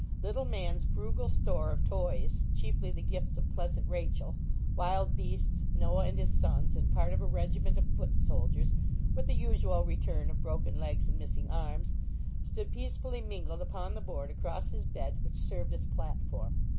Little man's frugal store of toys, chiefly the gifts of pleasant Rachel, wild beasts, Noah and his sons, and part of a regiment of foot soldiers, with the usual return of broken legs and missing arms, stood peacefully mingled upon the board across his bed which served as a platform.